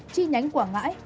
chi nhánh quảng ngãi